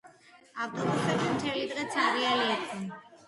ავტობუსები მთელი დღე ცარიელი იყო.